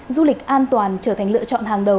du lịch an toàn trở thành lựa chọn hàng đầu